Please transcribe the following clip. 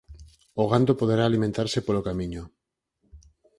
O gando poderá alimentarse polo camiño.